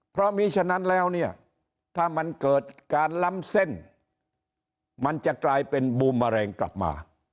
เพราะมีฉะนั้นแล้วเนี่ยถ้ามันเกิดการล้ำเส้นมันจะกลายเป็นบูมแมลงกลับมา